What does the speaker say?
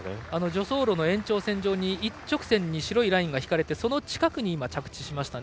助走路の延長線上に一直線に白いラインがあってその近くに着地しました。